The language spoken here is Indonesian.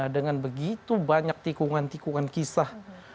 dengan begitu banyak tikungan tikungan kisah